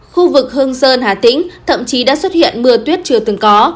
khu vực hương sơn hà tĩnh thậm chí đã xuất hiện mưa tuyết chưa từng có